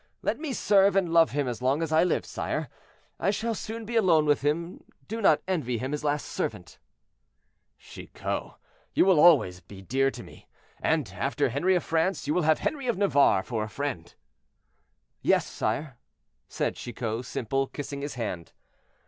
Let me serve and love him as long as I live, sire. I shall soon be alone with him; do not envy him his last servant." "Chicot, you will be always dear to me, and, after Henri of France, you will have Henri of Navarre for a friend." "Yes, sire," said Chicot simple, kissing his hand.